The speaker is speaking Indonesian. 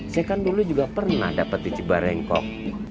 saya kan dulu juga pernah dapet di cibareng kok